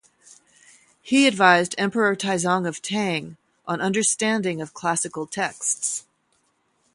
He advised Emperor Taizong of Tang on understanding of classical texts.